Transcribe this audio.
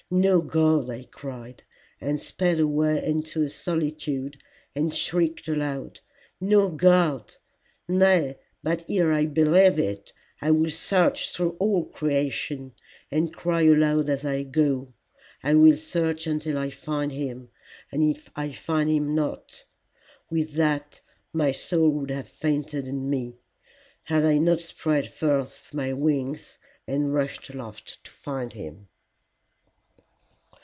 No God! I cried, and sped away into a solitude and shrieked aloud, No God! Nay, but ere I believe it, I will search through all creation, and cry aloud as I go. I will search until I find him, and if I find him not, . With that my soul would have fainted in me, had I not spread forth my wings and rushed aloft to find him.